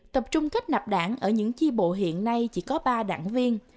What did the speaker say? tập trung kết nạp đảng ở những chi bộ hiện nay chỉ có ba đảng viên